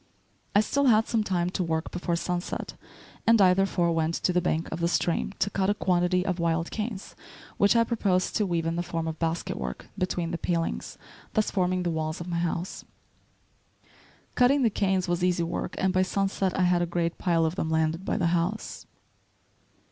I still had some time to work before sunset, and I therefore went to the bank of the stream to cut a quantity of wild canes which I proposed to weave in the form of basket work, between the palings, thus forming the walls of my house. Cutting the canes was easy work, and by sunset I had a great pile of them landed by the house.